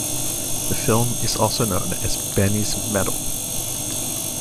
The film is also known as "Benny's Medal".